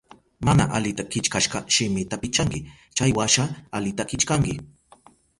Mana alita killkashka shimita pichanki, chaywasha alita killkanki.